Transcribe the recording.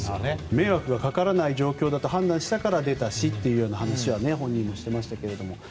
迷惑が掛からない状況だと判断したから出たしという話は本人もしてましたけど。